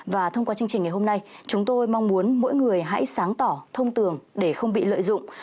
và thông qua chương trình ngày hôm nay chúng tôi mong muốn mỗi người hãy sáng tỏ thông tường để không bị lợi dụng